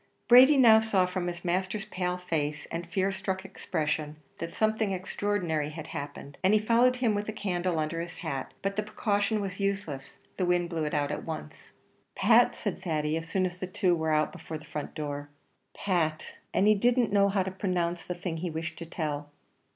Brady now saw from his master's pale face, and fear struck expression, that something extraordinary had happened, and he followed him with a candle under his hat; but the precaution was useless, the wind blew it out at once. "Pat," said Thady, as soon as the two were out before the front door; "Pat," and he didn't know how to pronounce the thing he wished to tell.